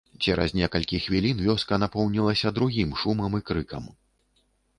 Цераз некалькі хвілін вёска напоўнілася другім шумам і крыкам.